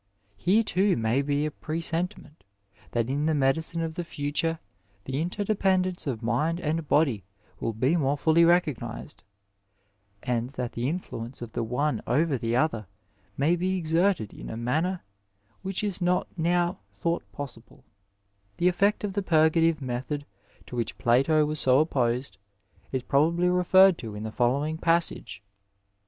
Here too may be a presentiment that in the medicine of the future the in terdependence of mind and body will be more fully recog ^ Dialogue&f iii. 510 1. 58 Digitized by VjOOQiC AS DEPICTED IN PLATO nized, and that the influence of the one over the other may be exerted in a manner which is not now thought possible/' * The efEect of the purgative method to which Plato was so opposed is probably referred to in the following passage.